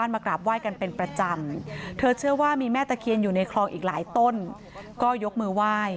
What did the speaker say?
แม่ตะเคียนอยู่ในคลองอีกหลายต้นก็ยกมือไหว่